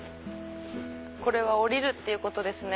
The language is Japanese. これは下りるってことですね。